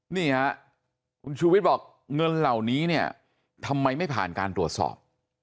นี่ฮะคุณชูวิทย์บอกเงินเหล่านี้เนี่ยทำไมไม่ผ่านการตรวจสอบ